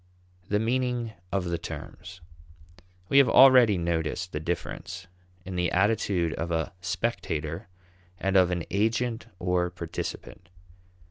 The Meaning of the Terms. We have already noticed the difference in the attitude of a spectator and of an agent or participant.